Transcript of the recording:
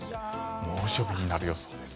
猛暑日になる予想です。